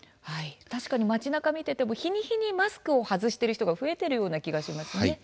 確かに町なかを見ていても日に日にマスクを外している人が増えていますね。